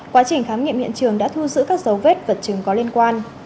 quá trình khám nghiệm hiện trường đã thu giữ các dấu vết vật chứng có liên quan